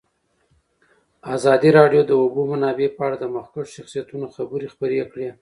ازادي راډیو د د اوبو منابع په اړه د مخکښو شخصیتونو خبرې خپرې کړي.